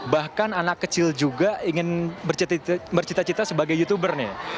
bahkan anak kecil juga ingin bercita cita sebagai youtuber nih